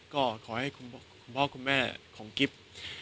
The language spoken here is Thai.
ก็ขอให้คุณพ่อคุณแม่ของกิฟต์